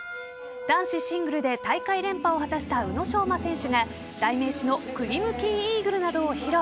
男子シングルで大会連覇を果たした宇野昌磨選手が代名詞のクリムキンイーグルなどを披露。